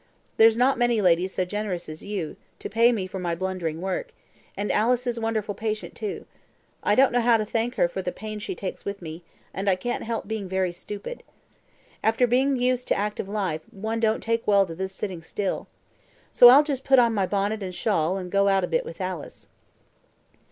There's not many ladies so generous as you, to pay me for my blundering work; and Alice is wonderful patient too. I don't know how to thank her for the pains she takes with me, and I can't help being very stupid. After being used to active life, one don't take well to this sitting still. So I'll just put on my bonnet and shawl and go out a bit with Alice."